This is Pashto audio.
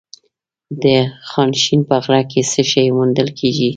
د خانشین په غره کې څه شی موندل کیږي؟